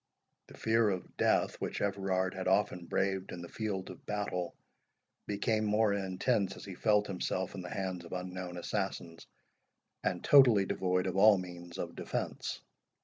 The fear of death, which Everard had often braved in the field of battle, became more intense as he felt himself in the hands of unknown assassins, and totally devoid of all means of defence.